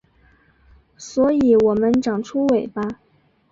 所以我们长出尾巴